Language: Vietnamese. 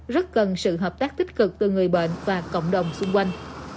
rất cần sự hợp tác tích cực từ người bệnh và cộng đồng xung quanh